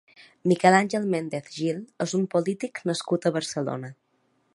Miquel Àngel Méndez Gil és un polític nascut a Barcelona.